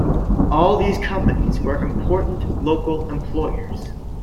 All these companies were important local employers.